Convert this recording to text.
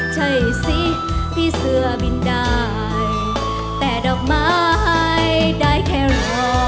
ใช่สิพี่เสื้อบินได้แต่ดอกไม้ได้แค่รอ